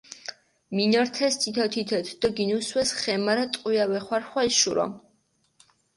მინორთეს თითო-თითოთ დო გინუსვეს ხე, მარა ტყვია ვეხვარხვალ შურო.